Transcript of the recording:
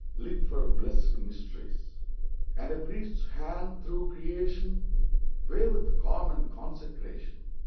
35 Lit for blessed mysteries ; And a Priest's Hand, through creation, Waveth calm and consecration.